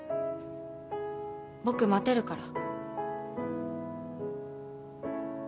僕待てるから。